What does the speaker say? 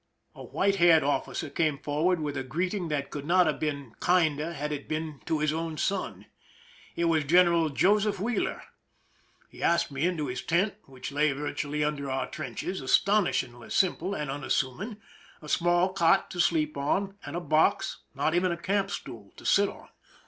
A white haired officer came forward with a greeting that could not have been kinder had it been to his own son. It was General Joseph Wlkieeler. He asked me into his tent, which lay vii'tually under our trenches, astonishingly simple and unassuming, a small cot to sleep on, and a box, not even a camp stool, to sit on.